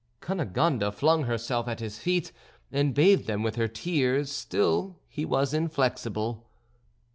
Cunegonde flung herself at his feet, and bathed them with her tears; still he was inflexible.